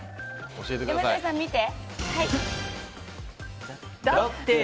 山添さん、見て。